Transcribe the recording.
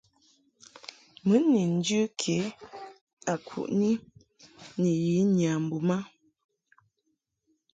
Mɨ ni njɨ kejɨ a kuʼni ni ya nyambum a.